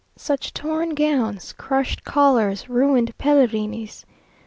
Such torn gowns, crushed collars, ruined pelerines!